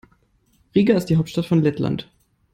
Riga ist die Hauptstadt von Lettland.